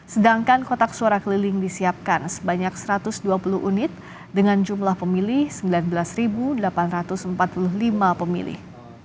sedangkan kotak suara keliling disiapkan sebanyak satu ratus dua puluh unit dengan jumlah pemilih sembilan belas delapan ratus empat puluh lima pemilih